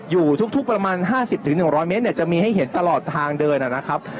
อยู่ทุกทุกประมาณห้าสิบถึงหนึ่งร้อยเมตรเนี้ยจะมีให้เห็นตลอดทางเดินอ่ะนะครับ